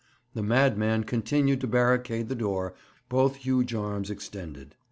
The madman continued to barricade the door, both huge arms extended.